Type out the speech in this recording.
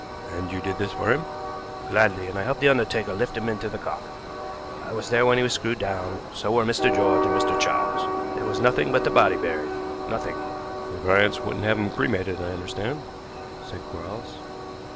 "And you did this for him?" "Gladly, and I helped the undertaker lift him into the coffin. I was there when he was screwed down, so were Mr. George and Mr. Charles. There was nothing but the body buried, nothing." "The Bryants wouldn't have him cremated, I understand," said Quarles.